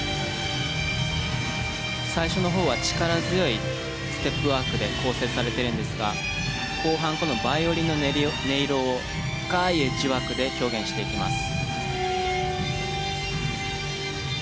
最初の方は力強いステップワークで構成されているんですが後半このバイオリンの音色を深いエッジワークで表現していきます。